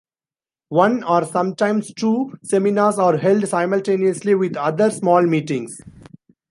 One or sometimes two seminars are held simultaneously with other small meetings.